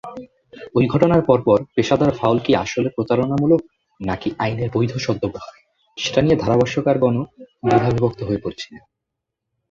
ঐ ঘটনার পরপর, পেশাদার ফাউল কি আসলে প্রতারণামূলক নাকি আইনের বৈধ সদ্ব্যবহার, সেটা নিয়ে ধারাভাষ্যকারগণ-ও দ্বিধাবিভক্ত হয়ে পড়েছিলেন।